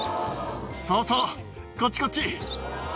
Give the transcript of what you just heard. そうそうこっちこっち！